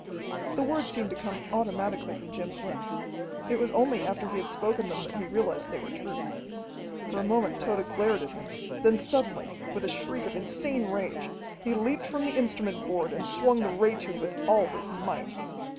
The words seemed to come automatically from Jim's lips. It was only after he had spoken them that he realized they were true. For a moment Tode glared at him; then suddenly, with a shriek of insane rage, he leaped from the instrument board and swung the ray tube with all his might.